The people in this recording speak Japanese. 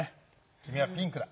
きみはピンクだ。